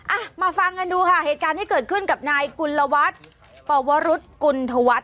ะมาฟังกันดิว่าเหตุการณ์ที่เกิดขึ้นกับนายกุฏรวัตรภวรุษกุฏวัฏ